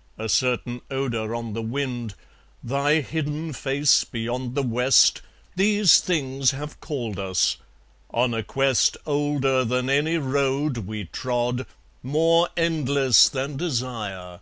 ... A certain odour on the wind, Thy hidden face beyond the west, These things have called us; on a quest Older than any road we trod, More endless than desire.